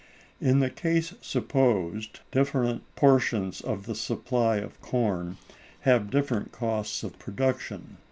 In the case supposed, different portions of the supply of corn have different costs of production.